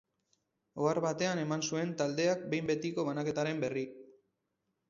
Ohar batean eman zuen taldeak behin-betiko banaketaren berri.